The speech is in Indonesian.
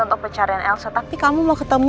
untuk pencarian elsa tapi kamu mau ketemu